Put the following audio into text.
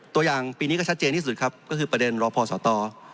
ตัวอย่างปีนี้ก็ชัดเจนที่สุดครับก็คือประเด็นรอพอสต